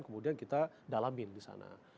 kemudian kita dalamin di sana